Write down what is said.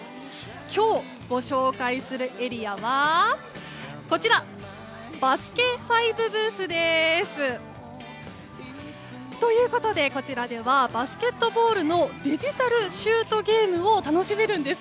今日、ご紹介するエリアは「バスケ☆ＦＩＶＥ」ブース！ということで、こちらではバスケットボールのデジタルシュートゲームを楽しめるんです。